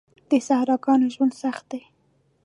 د صحراګانو ژوند سخت دی.